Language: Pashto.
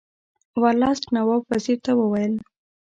ورلسټ نواب وزیر ته وویل.